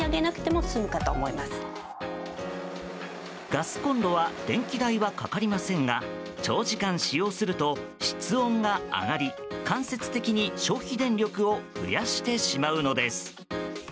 ガスコンロは電気代はかかりませんが長時間使用すると室温が上がり間接的に、消費電力を増やしてしまうのです。